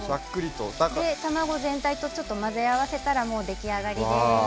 卵全体と混ぜ合わせたら出来上がりです。